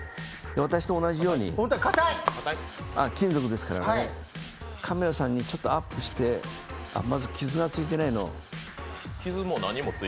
私と同じように、金属ですから、カメラさんにアップしてまず、傷がついていないのを。